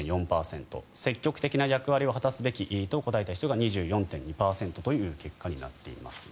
積極的な役割を果たすべきと答えた人は２４．２％となっています。